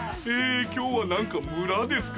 今日は何か村ですか？